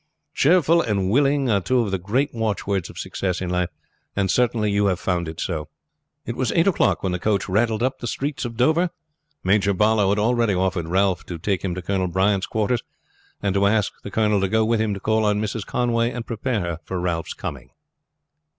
Cheerful and willing are two of the great watchwords of success in life, and certainly you have found it so." It was eight o'clock when the coach rattled up the streets of Dover. Major Barlow had already offered Ralph to take him to Colonel Bryant's quarters, and to ask the colonel to go with him to call on Mrs. Conway and prepare her for Ralph's coming.